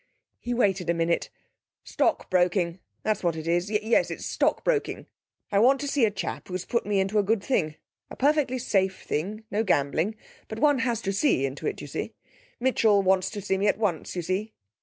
He waited a minute. 'Stockbroking; that's what it is. Yes, it's stockbroking. I want to see a chap who's put me in to a good thing. A perfectly safe thing. No gambling. But one has to see into it, you see. Mitchell wants to see me at once, you see.